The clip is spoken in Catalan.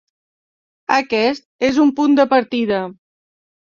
Aquest és un punt de partida.